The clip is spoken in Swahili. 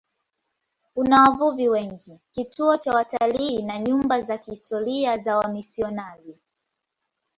Una wavuvi wengi, kituo cha watalii na nyumba za kihistoria za wamisionari.